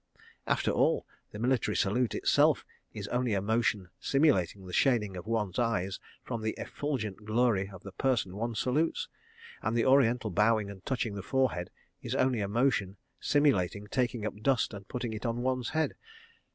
... After all, the military salute itself is only a motion simulating the shading of one's eyes from the effulgent glory of the person one salutes; and the Oriental bowing and touching the forehead is only a motion simulating taking up dust and putting it on one's head.